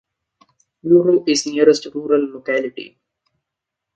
Uro is the nearest rural locality.